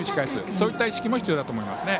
そういった意識も必要だと思います。